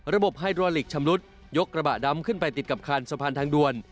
ไฮโดรลิกชำรุดยกกระบะดำขึ้นไปติดกับคันสะพานทางด่วน